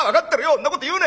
んなこと言うな！